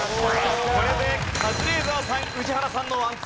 これでカズレーザーさん宇治原さんの１２。